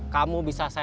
kamu bisa selamatkan saya